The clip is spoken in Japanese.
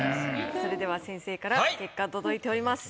それでは先生から結果届いております。